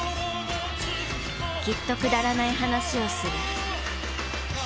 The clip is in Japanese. きっとくだらない話をする。